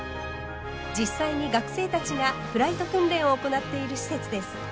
実際に学生たちがフライト訓練を行っている施設です。